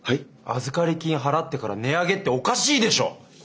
預かり金払ってから値上げっておかしいでしょ！